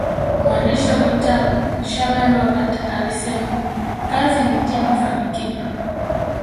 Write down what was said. mwandishi wa vitabu shaaban robert alisema kazi ni njia ya kufanikiwa